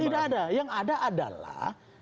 tidak ada yang ada adalah